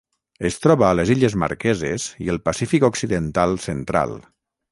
Es troba a les Illes Marqueses i el Pacífic occidental central.